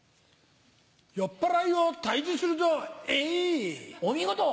酔っ払いを退治するぞ、お見事。